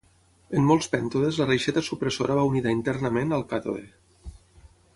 En molts pèntodes la reixeta supressora va unida internament al càtode.